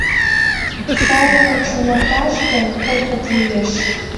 Сайынак шоналташ гын, кокыт лиеш.